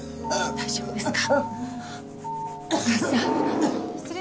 大丈夫ですか？